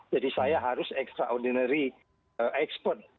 jadi saya harus extraordinary expert